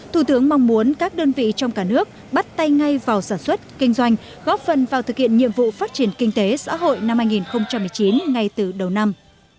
thủ tướng mong muốn các đơn vị trong cả nước bắt tay ngay vào sản xuất kinh doanh góp phần vào thực hiện nhiệm vụ phát triển kinh tế xã hội năm hai nghìn một mươi chín ngay từ đầu năm